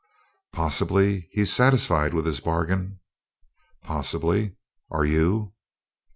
"Possibly he's satisfied with his bargain." "Possibly. Are you?"